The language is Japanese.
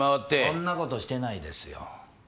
そんな事してないですよ。